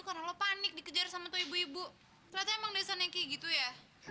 karena panik dikejar sama tuh ibu ibu ternyata emang desain kayak gitu ya